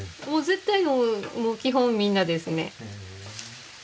絶対もう基本みんなですね。